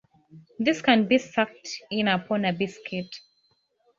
This can be sucked in upon a biscuit.